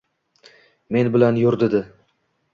Men bilan yur dedi.